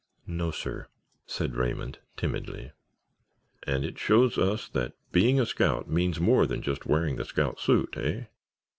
"No, sir," said Raymond, timidly. "And it shows us that being a scout means more than just wearing the scout suit, eh?"